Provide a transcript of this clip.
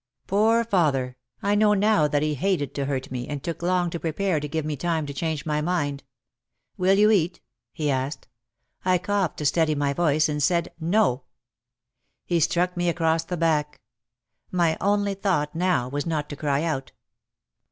Poor father, I know now that he hated to hurt me and took long to prepare to give me time to change my mind. "Will you eat?" he asked. I coughed to steady my voice and said "No." He struck me across the back. My only thought now was not to cry out.